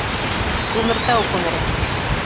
Күмертау күмере!